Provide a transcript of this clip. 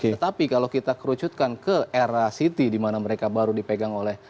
tetapi kalau kita kerucutkan ke era city di mana mereka baru dipegang oleh